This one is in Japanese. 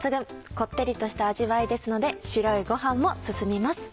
こってりとした味わいですので白いご飯も進みます。